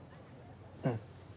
うん。